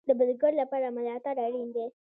د بزګر لپاره ملاتړ اړین دی